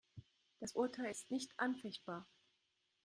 Das Urteil ist nicht anfechtbar.